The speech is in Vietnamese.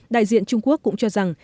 đại diện trung quốc cũng cho rằng